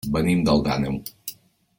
Venim d'Alt Àneu.